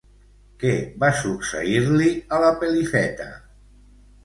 Què va succeir-li, a la Pelifeta?